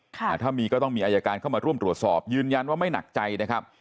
ถ้ามีก็ต้องมีอายการเข้ามาร่วมตรวจสอบยืนยันว่าไม่หนักใจนะครับ